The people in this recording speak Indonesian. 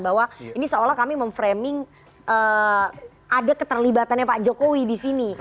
bahwa ini seolah kami memframing ada keterlibatannya pak jokowi di sini